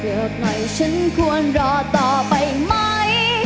หน่อยฉันควรรอต่อไปไหม